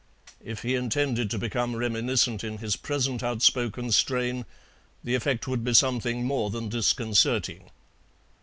If he intended to become reminiscent in his present outspoken strain the effect would be something more than disconcerting.